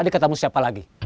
ketemu siapa lagi